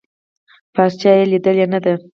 پارچه يې ليدلې نده.